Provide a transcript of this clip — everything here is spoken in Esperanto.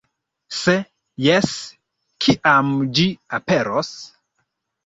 Se jes, kiam ĝi aperos?